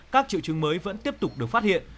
các triệu chứng mới vẫn tiếp tục được phát hiện